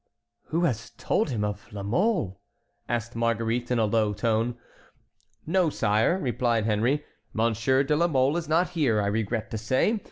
"Who has told him of La Mole?" asked Marguerite in a low tone. "No, sire," replied Henry, "Monsieur de la Mole is not here, I regret to say.